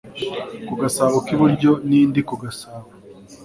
ku gasabo k'iburyo n'indi ku gasabo